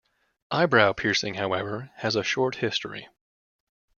Eyebrow piercing, however, has a short history.